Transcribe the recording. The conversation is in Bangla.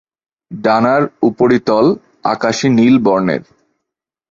ডানার উপরিতল আকাশী নীল বর্নের।